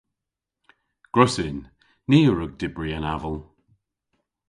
Gwrussyn. Ni a wrug dybri an aval.